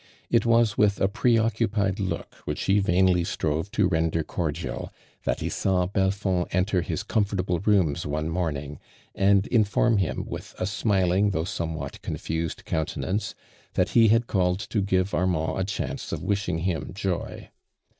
It was with a preoccu pied look which he vainly strove to render cordial, that ho saw Belfond enter his t'omfortablo rooms one morning and in form him with a smiling though some what confused countenance, that he had walled to give Armand o chance of wishing him joy.